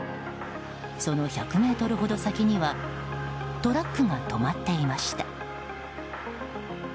その１００ｍほど先にはトラックが止まっていました。